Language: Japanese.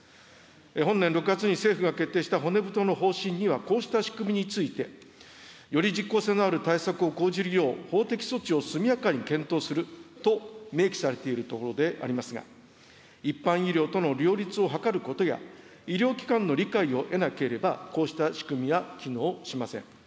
本年６月に政府が決定した骨太の方針には、こうした仕組みについて、より実効性のある対策を講じるよう、法的措置を速やかに検討すると、明記されているところでありますが、一般医療との両立を図ることや、医療機関の理解を得なければ、こうした仕組みは機能しません。